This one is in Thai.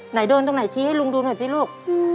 ไหนโดนตรงไหนชี้ให้ลุงดูหน่อยสิลูก